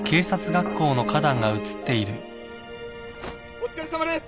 お疲れさまです！